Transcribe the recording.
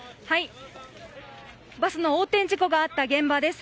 バスの横転事故があった現場です。